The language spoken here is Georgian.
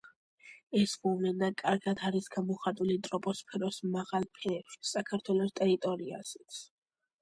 ეს მოვლენა კარგად არის გამოხატული ტროპოსფეროს მაღალ ფენებში საქართველოს ტერიტორიაზეც.